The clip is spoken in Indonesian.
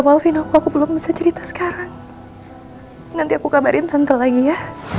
alvino aku belum bisa cerita sekarang nanti aku kabarin tante lagi ya